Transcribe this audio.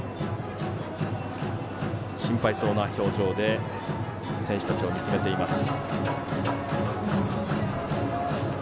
心配そうな表情で選手たちを見つめています。